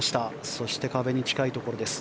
そして壁に近いところ。